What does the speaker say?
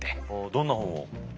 どんな本を？